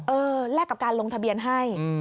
แลกกับการลงทะเบียนให้